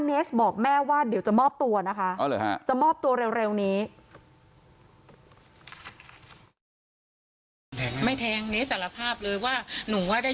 เนสบอกแม่ว่าเดี๋ยวจะมอบตัวนะคะ